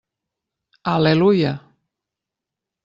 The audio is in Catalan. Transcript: Al·leluia!